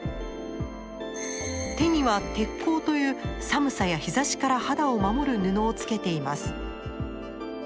手には手っ甲という寒さや日ざしから肌を守る布をつけています。